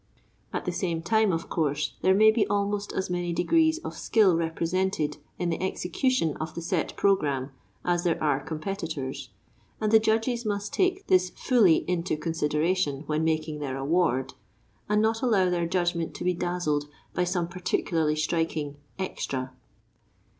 At the same time, of course, there may be almost as many degrees of skill represented in the execution of the set programme as there are competitors, and the judges must take this fully into consideration when making their award, and not allow their judgment to be dazzled by some particularly striking "extra."